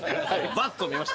バッと見ました。